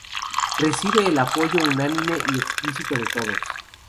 Recibe el apoyo unánime y explícito de todos.